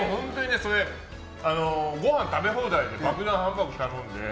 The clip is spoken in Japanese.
ご飯食べ放題で爆弾ハンバーグ頼んで。